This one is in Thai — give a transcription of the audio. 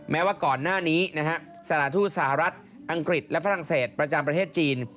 แม้ว่าก่อนหน้านี้นะฮะสถานทูตสหรัฐอังกฤษและฝรั่งเศสประจำประเทศจีน